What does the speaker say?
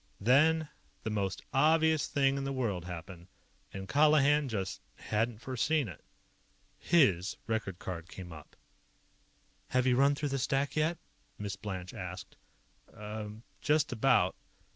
Then, the most obvious thing in the world happened and Colihan just hadn't foreseen it. His record card came up. "Have you run through the stack yet?" Miss Blanche asked. "Er just about."